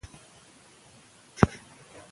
که د نجونو مکتبونه وي نو جهالت نه راځي.